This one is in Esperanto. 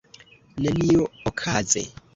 Neniuokaze.